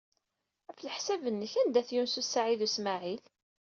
Ɣef leḥsab-nnek, anda-t Yunes u Saɛid u Smaɛil?